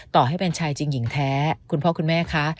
ต่อให้เป็นชายจริงหญิงแท้คุณพ่อคุณแม่คะ